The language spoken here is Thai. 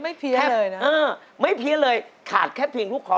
ไม่เพี้ยเลยนะเออไม่เพี้ยเลยขาดแค่พิงทุกครอบ